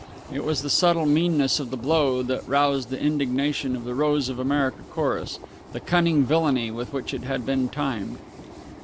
It was the subtle meanness of the blow that roused the indignation of "The Rose of America" chorus, the cunning villainy with which it had been timed.